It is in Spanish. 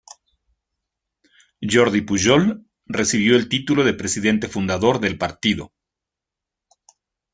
Jordi Pujol recibió el título de presidente-fundador del partido.